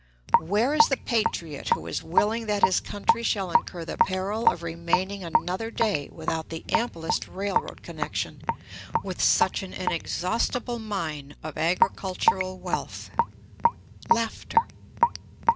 Where is the patriot who is willing that his country shall incur the peril of remaining another day without the amplest railroad connection with such an inexhaustible mine of agricultural wealth?